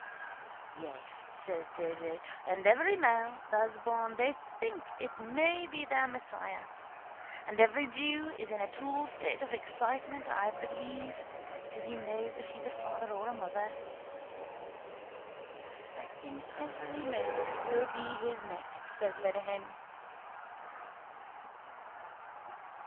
—Yes, says J. J., and every male that's born they think it may be their Messiah. And every jew is in a tall state of excitement, I believe, till he knows if he's a father or a mother. —Expecting every moment will be his next, says Lenehan.